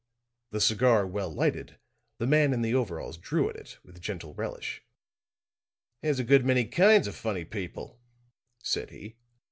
'" The cigar well lighted, the man in the overalls drew at it with gentle relish. "There's a good many kinds of funny people," said he.